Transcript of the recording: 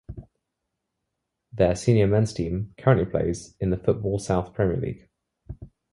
Their senior men's team currently plays in the Footballsouth Premier League.